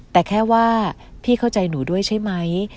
แต่แค่ว่าพี่เข้าใจหนูด้วยใช่ไหม